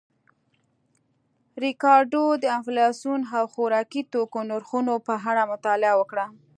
ریکارډو د انفلاسیون او خوراکي توکو نرخونو په اړه مطالعه وکړه